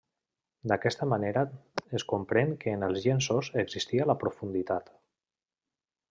D'aquesta manera es comprèn que en els llenços existia la profunditat.